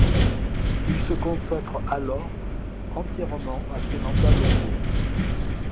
Il se consacre alors entièrement à ses mandats locaux.